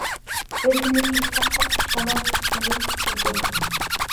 بىر كۈنى كەچتە قاتتىق شامال چىققىلى تۇردى.